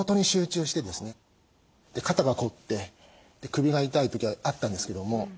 肩が凝って首が痛い時あったんですけども。